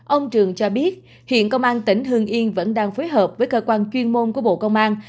ông trường cho biết hiện công an tỉnh hương yên vẫn đang phối hợp với cơ quan chuyên môn của bộ công an